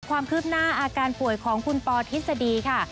ความคืบหน้าอาการป่วยของคุณปอทฤษฎีค่ะ